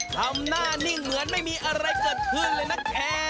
ทำหน้านิ่งเหมือนไม่มีอะไรเกิดขึ้นเลยนะคะ